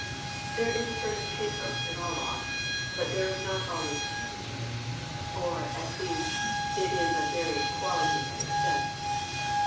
There is a certain pathos in all loss, but there is not always pain in it, or at least it is of varied quality and extent.